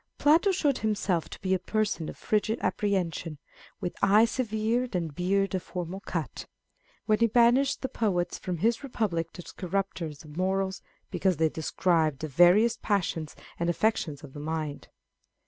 Plato showed himself to be a person of frigid apprehension, " with eye severe and beard of formal cut," when he banished the poets from his Republic as corrupters of morals, because they described the various passions and affections of the mind.